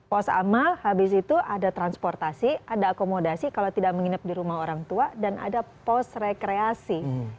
pos amal habis itu ada transportasi ada akomodasi kalau tidak menginap di rumah orang tua dan ada pos rekreasi